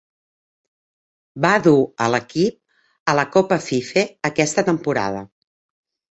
Va dur a l'equip a la Copa Fife aquesta temporada.